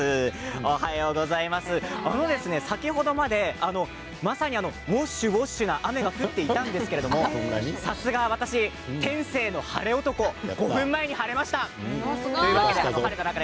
先ほどまでまさにウォッシュウォッシュ雨が降っていましたがさすが私、天性の晴れ男５分前に晴れました。